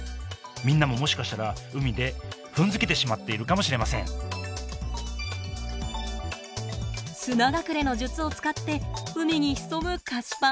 みんなももしかしたら海で踏んづけてしまっているかもしれません砂隠れの術を使って海に潜むカシパン。